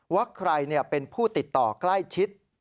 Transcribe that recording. ว่าใครเป็นผู้ติดต่อใกล้ชิด